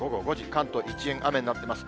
関東一円、雨になってます。